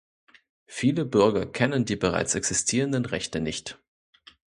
Viele Bürger kennen die bereits existierenden Rechte nicht.